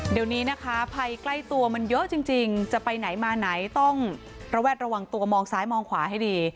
เดี๋ยวนี้นะคะภัยใกล้ตัวมันเยอะจริงจะไปไหนมาไหนต้องระแวดระวังตัวมองซ้ายมองขวาให้ดี